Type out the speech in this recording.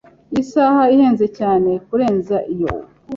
Iyi saha ihenze cyane kurenza iyo.